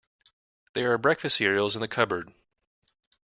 There are breakfast cereals in the cupboard.